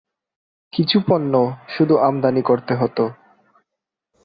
কিছু পণ্য শুধু আমদানি করতে হতো।